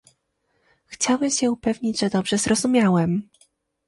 Chciałbym się upewnić, że dobrze zrozumiałem